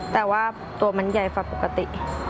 แต่ว่าตัวมันใหญ่กว่าปกติ